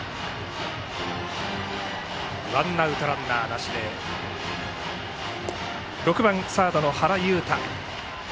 ワンアウトランナーなしで６番サードの原佑太。